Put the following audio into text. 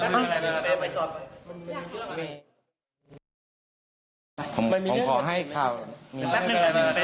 มันมีเรื่องอะไรมันมีเรื่องอะไรมันมีเรื่องอะไร